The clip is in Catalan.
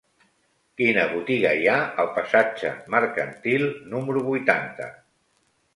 Quina botiga hi ha al passatge Mercantil número vuitanta?